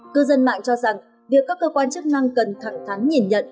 cư dân mạng cho rằng việc các cơ quan chức năng cần thẳng thắn nhìn nhận